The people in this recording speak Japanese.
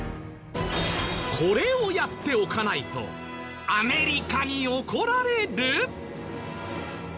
これをやっておかないとアメリカに怒られる？